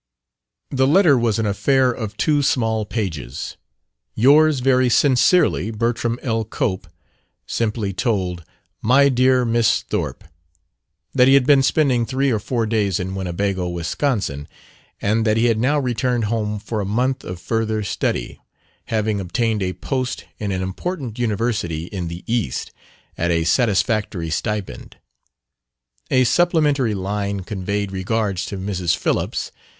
The letter was an affair of two small pages. "Yours very sincerely, Bertram L. Cope" simply told "My dear Miss Thorpe" that he had been spending three or four days in Winnebago, Wisconsin, and that he had now returned home for a month of further study, having obtained a post in an important university in the East, at a satisfactory stipend. A supplementary line conveyed regards to Mrs. Phillips.